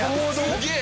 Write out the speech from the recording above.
すげえ！